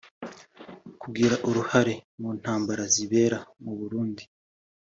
kugira uruhare mu ntambara zibera mu Burundi